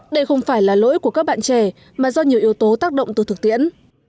đây không phải là lỗi của các bạn trẻ mà do nhiều yếu tố tác động từ thực tiễn